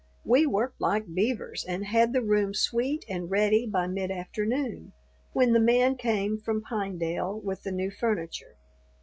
We worked like beavers, and had the room sweet and ready by mid afternoon, when the man came from Pinedale with the new furniture.